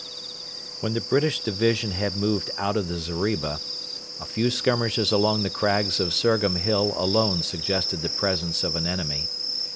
When the British division had moved out of the zeriba, a few skirmishers among the crags of Surgham Hill alone suggested the presence of an enemy.